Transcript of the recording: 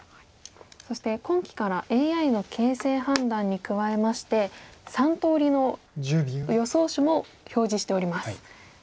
そして今期からＡＩの形勢判断に加えまして３通りの予想手も表示しております。